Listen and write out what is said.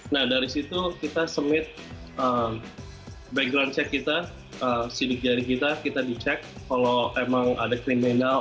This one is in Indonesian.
nah dari situ kita sumit background check kita sidik jari kita kita dicek kalau emang ada kriminal